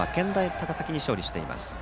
高崎に勝利しています。